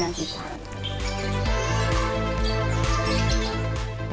nah ini keinginan kita